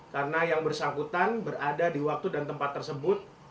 karena yang bersangkutan berada di waktu dan tempat tersebut